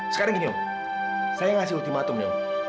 sekarang gini om saya ngasih ultimatum nih om